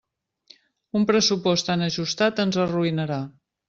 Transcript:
Un pressupost tan ajustat ens arruïnarà.